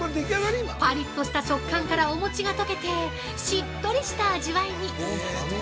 パリッとした食感からお餅が溶けてしっとりした味わいに。